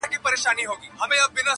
خداى وركړي وه سل سره سل خيالونه!